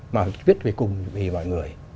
mà viết về cùng về mọi người